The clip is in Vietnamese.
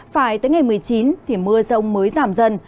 phải tới ngày một mươi chín thì mưa rông mới giảm dần